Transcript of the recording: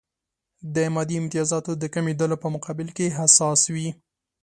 د مادي امتیازاتو د کمېدلو په مقابل کې حساس وي.